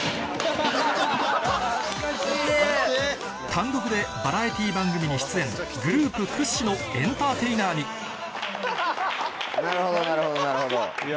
単独でバラエティー番組に出演グループ屈指のエンターテイナーになるほどなるほど。